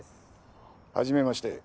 はじめまして。